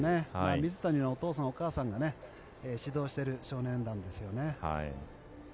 水谷のお父さんお母さんが指導している少年団ですよね。